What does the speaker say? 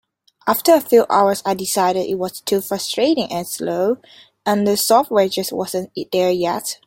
After a few hours I decided it was too frustrating and slow, and the software just wasn't there yet.